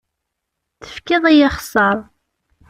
Tefkiḍ-iyi axessaṛ.